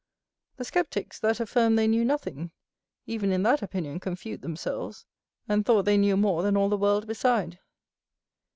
The scepticks, that affirmed they knew nothing, even in that opinion confute themselves, and thought they knew more than all the world beside.